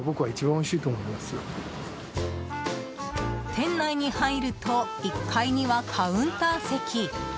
店内に入ると１階にはカウンター席。